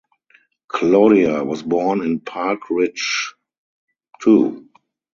Claudia was born in Park Ridge Il.